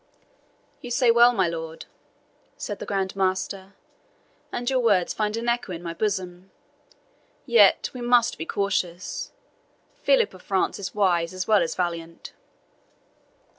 "You say well, my Lord Marquis," said the Grand Master, "and your words find an echo in my bosom. Yet must we be cautious Philip of France is wise as well as valiant."